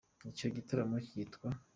Icyo gitaramo kitwa .